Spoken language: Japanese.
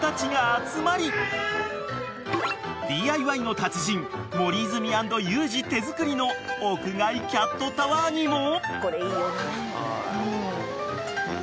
［ＤＩＹの達人森泉＆ユージ手作りの屋外キャットタワーにも］